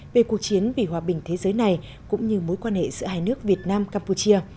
về cuộc chiến vì hòa bình thế giới này cũng như mối quan hệ giữa hai nước việt nam campuchia